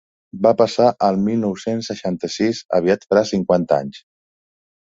Va passar el mil nou-cents seixanta-sis: aviat farà cinquanta anys.